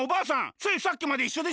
ついさっきまでいっしょでしたよ！